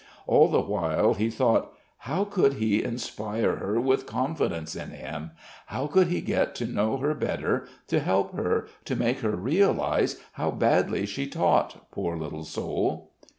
All the while he thought: How could he inspire her with confidence in him, how could he get to know her better, to help her, to make her realise how badly she taught, poor little soul?